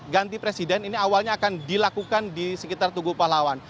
ganti presiden ini awalnya akan dilakukan di sekitar tugu pahlawan